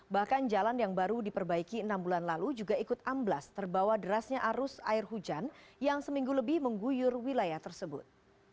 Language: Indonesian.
bahkan jalan yang baru diperbaiki enam bulan lalu juga ikut amblas terbawa derasnya arus air hujan yang seminggu lebih mengguyur wilayah tersebut